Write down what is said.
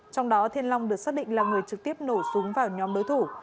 trong đó thiên long được xác định là người trực tiếp nổ súng vào nhóm đối thủ